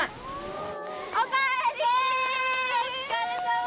お疲れさま！